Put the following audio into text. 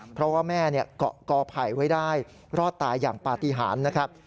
เพราะว่าแม่เกาะกอไผ่ไว้ได้รอดตายอย่างปฏิหารนะครับ